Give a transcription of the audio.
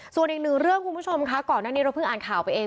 ส่วนอีกหนึ่งเรื่องคุณผู้ชมคะก่อนหน้านี้เราเพิ่งอ่านข่าวไปเอง